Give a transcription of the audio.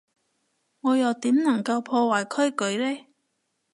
我又點能夠破壞規矩呢？